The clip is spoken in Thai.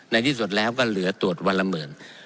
ในที่สุดแล้วก็เหลือตรวจวันละหมื่น